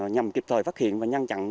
nhằm kịp thời phát hiện và nhăn chặn